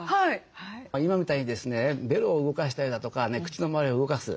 今みたいにですねベロを動かしたりだとか口の周りを動かす。